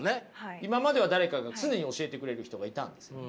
今までは誰かが常に教えてくれる人がいたんですね。